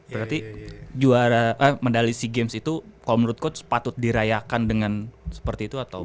berarti medali sea games itu kalau menurutku patut dirayakan dengan seperti itu atau